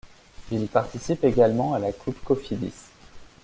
Il participe également à la Coupe Cofidis.